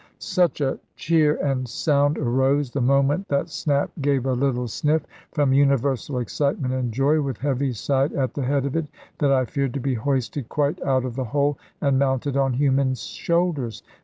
Such a cheer and sound arose (the moment that Snap gave a little sniff), from universal excitement and joy, with Heaviside at the head of it, that I feared to be hoisted quite out of the hole, and mounted on human shoulders.